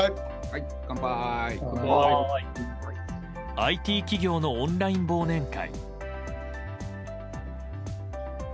ＩＴ企業のオンライン忘年会。